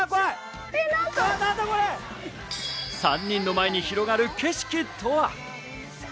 ３人の前に広がる景色とは？